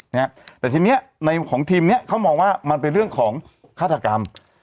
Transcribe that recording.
เนี้ยแต่ทีเนี้ยในของทีมเนี้ยเขามองว่ามันเป็นเรื่องของฆาตกรรม